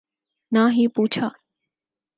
نہ ہی پوچھا